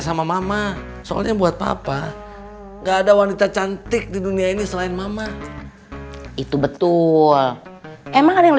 sampai jumpa di video selanjutnya